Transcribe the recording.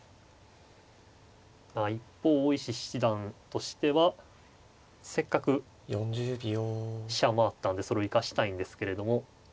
一方大石七段としてはせっかく飛車を回ったんでそれを生かしたいんですけれども。